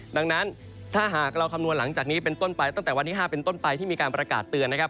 ดังนั้นถ้าหากเราคำนวณหลังจากนี้เป็นต้นไปตั้งแต่วันที่๕เป็นต้นไปที่มีการประกาศเตือนนะครับ